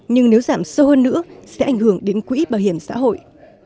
nhưng nếu giảm sâu hơn nữa sẽ ảnh hưởng đến quỹ bảo hiểm xã hội